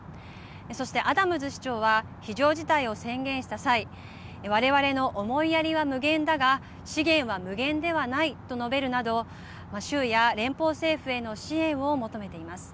そして、アダムズ市長は非常事態を宣言した際我々の思いやりは無限だが資源は無限ではないと述べるなど州や連邦政府への支援を求めています。